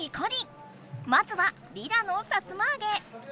まずはリラのさつまあげ。